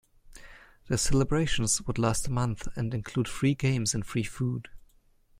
The celebrations would last a month and include free games and free food.